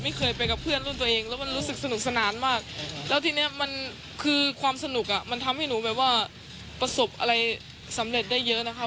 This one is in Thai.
ไม่เคยไปกับเพื่อนรุ่นตัวเองแล้วมันรู้สึกสนุกสนานมากแล้วทีเนี้ยมันคือความสนุกอ่ะมันทำให้หนูแบบว่าประสบอะไรสำเร็จได้เยอะนะคะ